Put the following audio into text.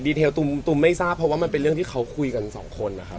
รายละเอียดรายละเอียดตุ้มไม่ทราบเพราะว่ามันเป็นเรื่องที่เขาคุยกันสองคนนะครับ